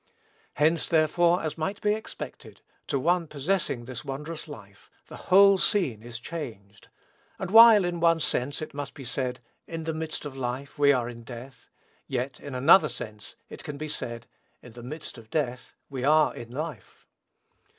Hence, therefore, as might be expected, to one possessing this wondrous life, the whole scene is changed; and while, in one sense, it must be said, "in the midst of life we are in death," yet, in another sense, it can be said, "in the midst of death we are in life."